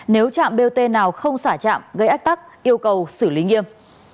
nếu trạm bot nào không xả trạm gây ách tắc yêu cầu xử lý nghiêm